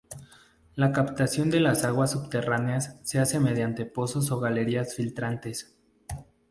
La captación de las aguas subterráneas se hace mediante pozos o galerías filtrantes.